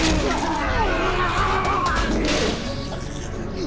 ああ。